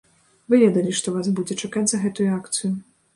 Вы ведалі, што вас будзе чакаць за гэтую акцыю.